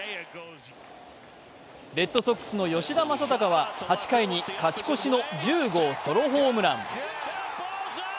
レッドソックスの吉田正尚は８回に勝ち越しの１０号ソロホームラン。